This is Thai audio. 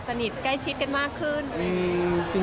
สนิทใกล้ชิดกันมากขึ้น